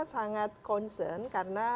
sangat concern karena